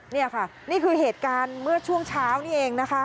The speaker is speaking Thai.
นี่ค่ะนี่คือเหตุการณ์เมื่อช่วงเช้านี่เองนะคะ